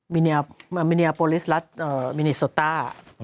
มิเนาโปรเลส์และมินิซุไต้